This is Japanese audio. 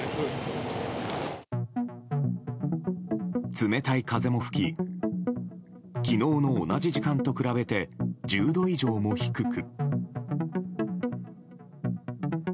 冷たい風も吹き昨日の同じ時間と比べて１０度以上も低く。